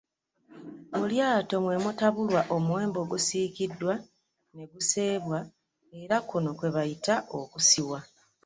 Mu lyato mwe mutabulwa omuwemba ogusiikiddwa ne guseebwa era kuno kwe bayita okusiwa.